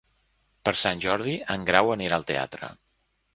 Per Sant Jordi en Grau anirà al teatre.